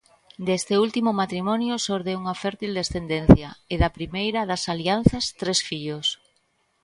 Deste último matrimonio xorde unha fértil descendencia, e da primeira das alianzas, tres fillos.